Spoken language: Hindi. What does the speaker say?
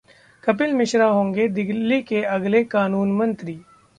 कपिल मिश्रा होंगे दिल्ली के अगले कानून मंत्री!